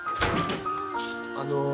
あの。